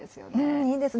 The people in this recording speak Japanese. いいですね。